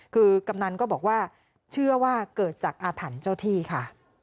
คือกำนันก็บอกว่าเชื่อว่าเกิดจากอาถรรพ์เจ้าที่ค่ะ